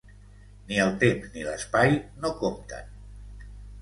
Ni el temps ni l'espai no compten.